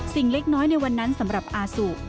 เล็กน้อยในวันนั้นสำหรับอาสุ